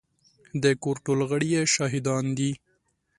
د کور ټول غړي يې شاهدان دي.